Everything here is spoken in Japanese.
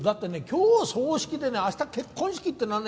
今日葬式でね明日結婚式っていうのはね